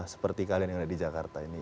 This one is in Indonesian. seperti kalian yang ada di jakarta ini